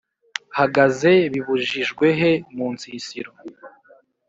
hagaze bibujijwehe? munsisiro